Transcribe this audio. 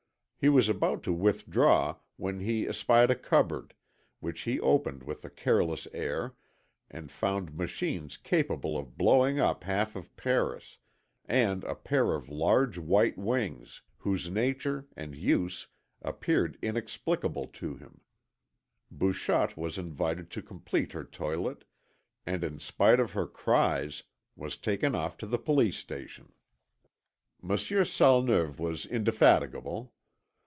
He was about to withdraw when he espied a cupboard, which he opened with a careless air, and found machines capable of blowing up half Paris, and a pair of large white wings, whose nature and use appeared inexplicable to him. Bouchotte was invited to complete her toilette, and, in spite of her cries, was taken off to the police station. Monsieur Salneuve was indefatigable.